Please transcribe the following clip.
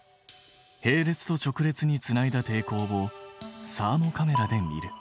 並列と直列につないだ抵抗をサーモカメラで見る。